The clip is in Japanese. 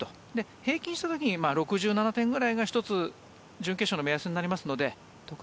平均した時に６７点ぐらいが１つ準決勝の目安になりますので得意